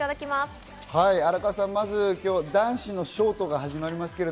まず今日は男子のショートが始まります。